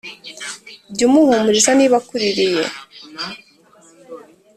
jya umuhumuriza niba akuririye